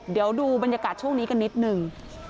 เดี๋ยวดูบรรยากาศช่วงนี้กันนิดนึง